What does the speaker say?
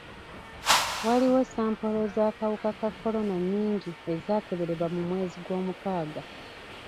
Waliwo sampolo z'akawuka ka kolona nnyingi ezaakeberebwa mu mwezi gwomukaaga.